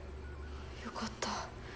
よかった。